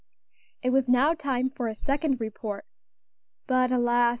It was now time for a second report; but alas!